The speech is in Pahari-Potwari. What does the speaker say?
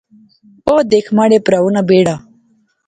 او دیکھ مہاڑے پرھو نا بیڑا